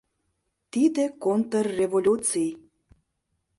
Тиде контрреволюций.